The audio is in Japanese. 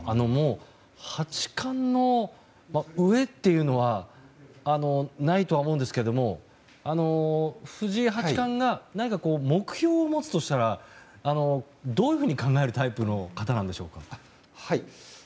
八冠の上というのはないとは思うんですけれども藤井八冠が目標を持つとしたらどういうふうに考えるタイプの方なんでしょうか。